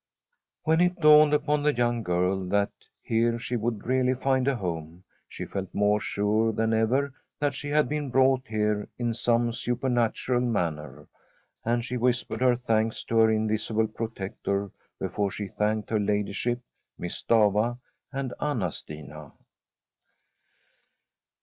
When it dawned upon the young girl that here she would really find a home, she ielt more sure than ever that she had been brought here in some supernatural manner, and she whispered her thanks to her invisible protector before she thanked her ladyship. Miss Stafva, and Anna Stina.